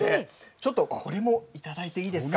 ちょっとこれも頂いていいですか。